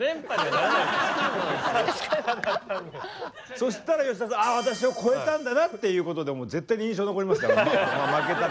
そしたら吉田さん「あぁ私を越えたんだな」っていうことでもう絶対に印象に残りますから。